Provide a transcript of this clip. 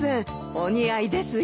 お似合いですよ。